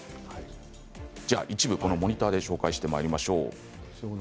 一部モニターでご紹介してまいりましょう。